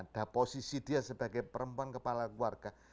ada posisi dia sebagai perempuan kepala keluarga